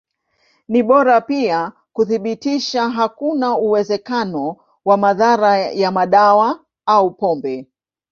Ni bora pia kuthibitisha hakuna uwezekano wa madhara ya madawa au pombe.